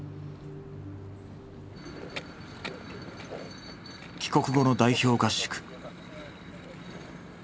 帰国後の代表合宿。